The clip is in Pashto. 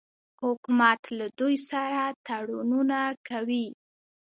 حکومت له دوی سره تړونونه کوي.